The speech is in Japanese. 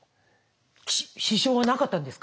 支障はなかったんですか？